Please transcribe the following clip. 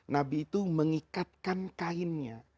nabi itu mengikatkan kainnya